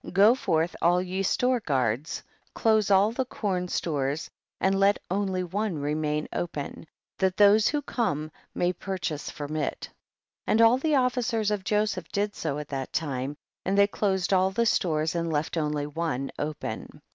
Go forth all ye store guards, close all the corn stores and let only one remain open, that those Avho come may purchase from it. 10. And all the officers of Joseph did so at that time, and they closed all the stores and left only one open.